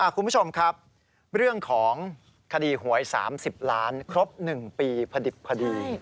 คุณผู้ชมครับเรื่องของคดีหวย๓๐ล้านครบ๑ปีพอดิบพอดี